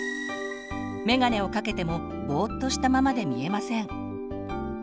めがねをかけてもぼっとしたままで見えません。